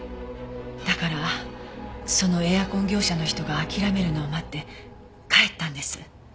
だからそのエアコン業者の人が諦めるのを待って帰ったんです。